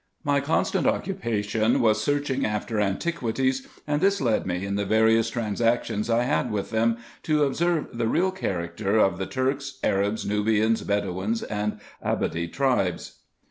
My constant occupation was searching after antiquities, and this led me in the various trans actions I had with them, to observe the real character of the Turks, Arabs, Nubians, Bedo weens, and Ababdy tribes.